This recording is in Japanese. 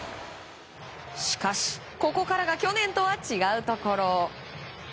しかし、ここからが去年とは違うところ。